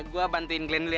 gua bantuin glenn dulu ya